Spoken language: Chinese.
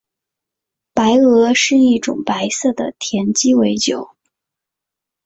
白俄是一种白色的甜鸡尾酒。